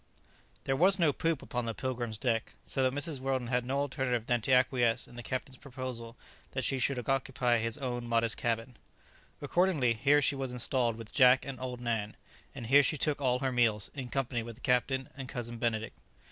There was no poop upon the "Pilgrim's" deck, so that Mrs. Weldon had no alternative than to acquiesce in the captain's proposal that she should occupy his own modest cabin. Accordingly, here she was installed with Jack and old Nan; and here she took all her meals, in company with the captain and Cousin Benedict.